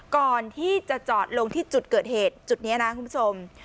ก่อนที่จะจอดลงที่จุดเกิดเหตุจุดนี้นะคุณผู้ชม